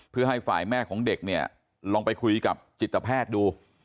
เพื่อให้ฝ่ายแม่ของเด็กเนี่ยลองไปคุยกับจิตแพทย์ดู